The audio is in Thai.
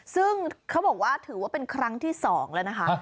ซึ่งเขาบอกว่าถือว่าเป็นครั้งที่๒แล้วนะคะ